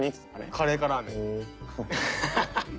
カレーかラーメン。